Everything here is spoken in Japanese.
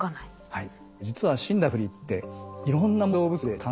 はい。